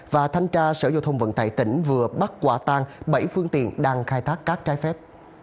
và thanh tra sở giao thông vận tải tỉnh vừa bắt quả tang bảy phương tiện đang khai thác cát trái phép